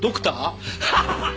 ハハハハ！